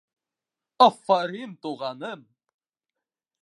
— Афарин, туғаным!